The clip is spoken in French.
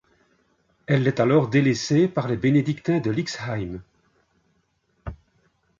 Elle est alors délaissée par les bénédictins de Lixheim.